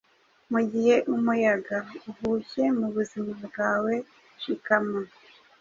Mu gihe umuyaga uhushye mu buzima bwawe, shikama,